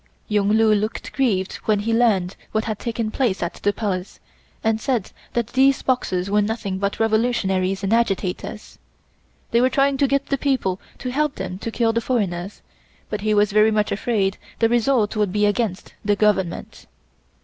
Yung Lu looked grieved when he learned what had taken place at the Palace, and said that these Boxers were nothing but revolutionaries and agitators. They were trying to get the people to help them to kill the foreigners, but he was very much afraid the result would be against the Government.